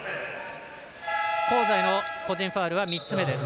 香西の個人ファウル３つ目。